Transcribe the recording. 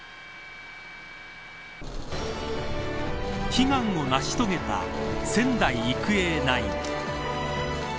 悲願を成し遂げた仙台育英ナイン。